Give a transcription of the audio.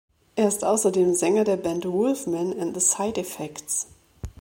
Er ist außerdem Sänger der Band "Wolfman and the Side-Effects".